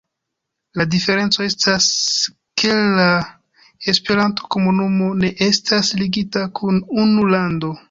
La diferenco estas, ke la Esperanto-komunumo ne estas ligita kun unu lando.